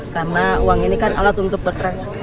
karena uang ini kan alat untuk transaksi